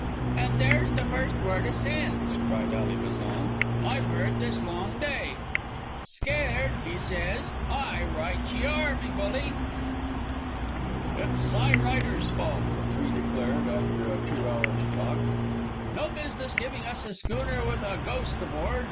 "An' there's the first word o' sense," cried Ally Bazan, "I've heard this long day. 'Scared,' he says; aye, right ye are, me bully." "It's Cy Rider's fault," the three declared after a two hours' talk. "No business giving us a schooner with a ghost aboard.